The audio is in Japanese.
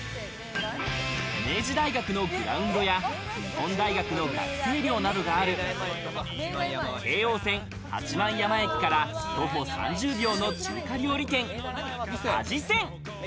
明治大学のグラウンドや日本大学の学生寮などがある京王線・八幡山駅から徒歩３０秒の中華料理店・味仙。